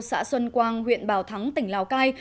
xã xuân quang huyện bảo thắng tỉnh lào cai